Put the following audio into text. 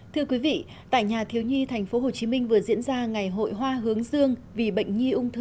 thưa quý vị tại nhà thiếu nhi tp hcm vừa diễn ra ngày hội hoa hướng dương vì bệnh nhi ung thư hai nghìn một mươi bảy